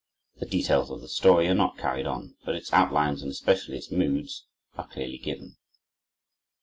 The details of the story are not carried out, but its outlines, and especially its moods, are clearly given.